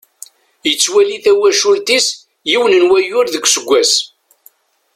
Yettwali tawacult-is yiwen n wayyur deg useggas.